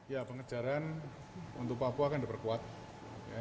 ya pengejaran untuk papua kan diperkuatkan